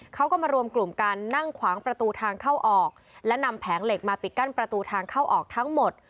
เขาก็มารวมกลุ่มกันนั่งขวางประตูทางเข้าออกและนำแผงเหล็กมาปิดกั้นประตูทางเข้าออกทั้งหมด